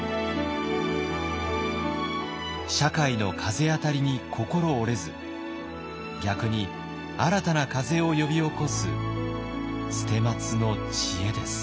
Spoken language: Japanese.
社会の風当たりに心折れず逆に新たな風を呼び起こす捨松の知恵です。